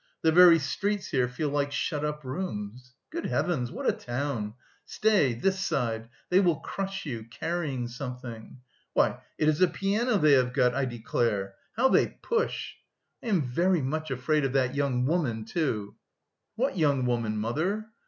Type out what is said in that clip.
The very streets here feel like shut up rooms. Good heavens! what a town!... stay... this side... they will crush you carrying something. Why, it is a piano they have got, I declare... how they push!... I am very much afraid of that young woman, too." "What young woman, mother?